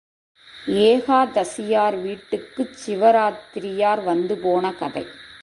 ஏகாதசியார் வீட்டுக்குச் சிவராத்திரியார் வந்து போன கதை.